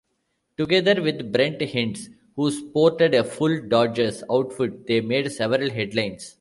Together with Brent Hinds who sported a full Dodgers outfit they made several headlines.